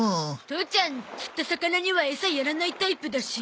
父ちゃん釣った魚にはエサやらないタイプだし。